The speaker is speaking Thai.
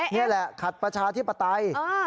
นี่แหละขัดประชาธิปไตย